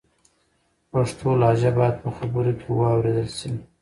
پښتو لهجه باید په خبرو کې و اورېدل سي.